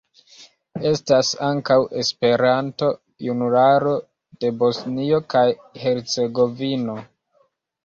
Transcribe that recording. Estas ankaŭ Esperanto-Junularo de Bosnio kaj Hercegovino.